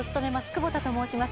久保田と申します。